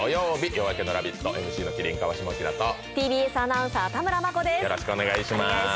「夜明けのラヴィット！」、ＭＣの麒麟・川島明とＴＢＳアナウンサー・田村真子です。